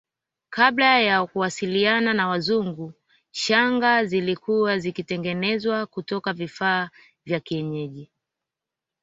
Kabla ya kuwasiliana na Wazungu shanga zilikuwa zikitengenezwa kutoka vifaa vya kienyeji